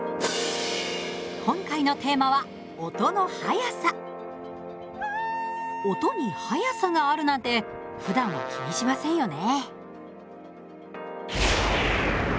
今回のテーマは音に速さがあるなんてふだんは気にしませんよね。